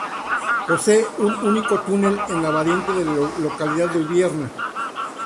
Posee un único túnel, en la variante de la localidad de Ubierna.